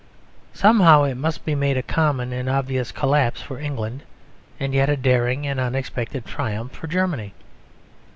Somehow it must be made a common and obvious collapse for England; and yet a daring and unexpected triumph for Germany.